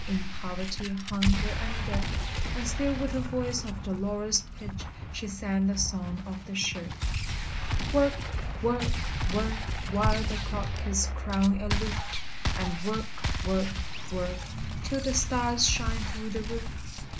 In poverty, hunger, and dirt; And still with a voice of dolorous pitch She sang the "Song of the Shirt!" "Work! work! work While the cock is crowing aloof! And work work work Till the stars shine through the roof!